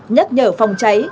nhắc nhở phòng cháy